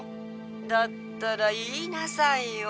だったら言いなさいよ」